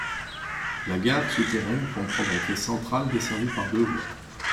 La gare, souterraine, comprend un quai central desservi par deux voies.